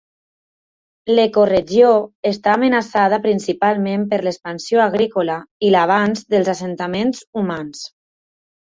L'ecoregió està amenaçada principalment per l'expansió agrícola i l'avanç dels assentaments humans.